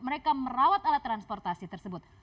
mereka merawat alat transportasi tersebut